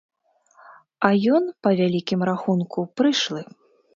А ён, па вялікім рахунку, прышлы.